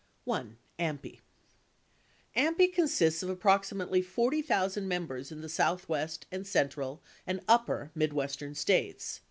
1. AMPI AMPI consists of approximately 40,000 members in the Southwest and central and upper Midwestern States.